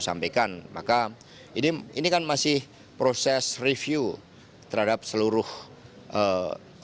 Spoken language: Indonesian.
sampaikan maka ini ini kan masih proses review terhadap seluruh tokoh tokoh yang dilakukan